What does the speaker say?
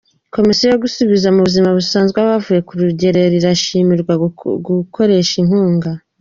Komisiyo yo gusubiza mu buzima busanzwe abavuye ku rugerero irashimirwa gukoresha inkunga